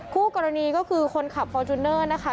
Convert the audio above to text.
คู่กรณีก็คือคนขับฟอร์จูเนอร์นะคะ